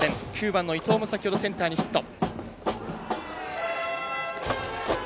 ９番の伊藤も、先ほどセンターにヒット。